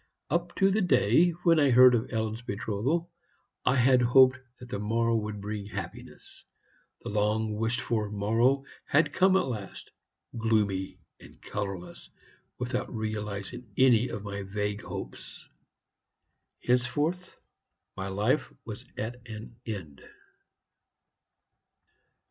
Up to the day when I heard of Ellen's betrothal, I had hoped that the morrow would bring happiness. The long wished for morrow had come at last, gloomy and colorless, without realizing any of my vague hopes. Henceforth my life was at an end."